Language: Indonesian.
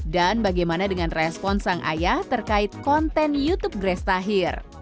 dan bagaimana dengan respon sang ayah terkait video ini